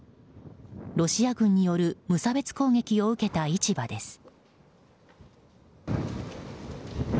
ロシア軍による無差別攻撃を受けた市場です。